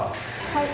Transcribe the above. はい。